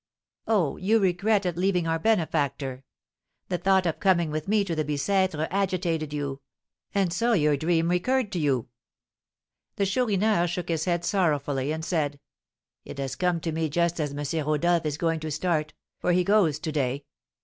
"Oh, you regret at leaving our benefactor! The thought of coming with me to the Bicêtre agitated you; and so your dream recurred to you." The Chourineur shook his head sorrowfully and said, "It has come to me just as M. Rodolph is going to start, for he goes to day.